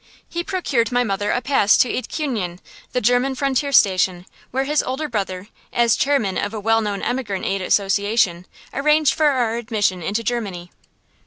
He procured my mother a pass to Eidtkuhnen, the German frontier station, where his older brother, as chairman of a well known emigrant aid association, arranged for our admission into Germany.